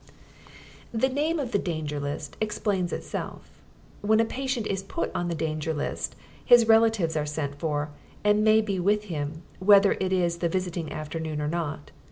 The name of the Danger List explains itself. When a patient is put on the Danger List, his relatives are sent for and may be with him whether it is the visiting afternoon or not.